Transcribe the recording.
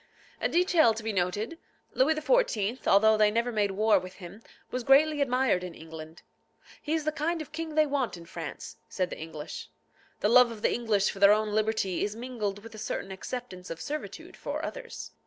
A detail to be noted. Louis XIV., although they made war with him, was greatly admired in England. "He is the kind of king they want in France," said the English. The love of the English for their own liberty is mingled with a certain acceptance of servitude for others.